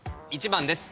１番です。